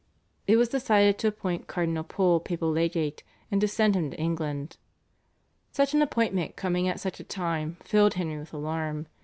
It was decided to appoint Cardinal Pole papal legate, and to send him to England. Such an appointment coming at such a time filled Henry with alarm.